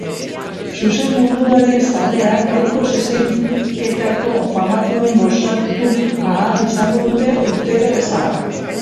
Zezen munduaren zaleak gaurko zezenketako famatuez gozatu ahal izango dute urtero bezala.